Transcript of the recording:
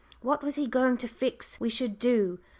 What was he going to fix we should do?